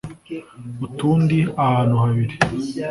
utundi ahantu habiri